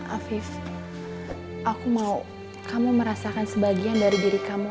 afif aku mau kamu merasakan sebagian dari diri kamu